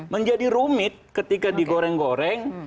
menjadi rumit ketika digoreng goreng